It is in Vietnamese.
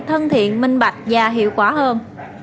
thân thiện minh bạch và hiệu quả hơn